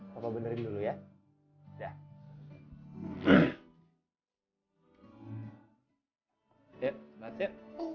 papa benerin dulu ya